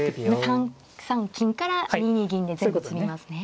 ３三金から２二銀で全部詰みますね。